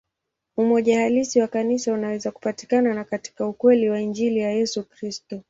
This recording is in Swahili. Umoja halisi wa Kanisa unaweza kupatikana tu katika ukweli wa Injili ya Yesu Kristo.